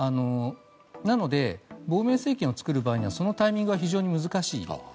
なので、亡命政権を作る場合にはそのタイミングが非常に難しい。